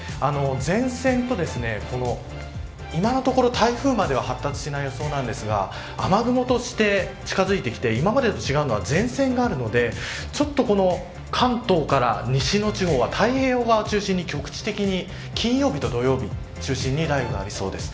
前線と今のところ台風までは発達しない予想なんですが雨雲として近づいてきて今までと違うのは前線があるのでちょっとこの関東から西の地方は太平洋側を中心に局地的に金曜日と土曜日中心に雷雨がありそうです。